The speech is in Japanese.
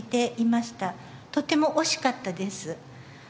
とても惜しかったです。